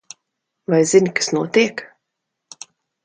Vai zini, kas notiek?